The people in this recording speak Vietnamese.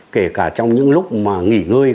kể cả trong những lúc mà nghỉ ngơi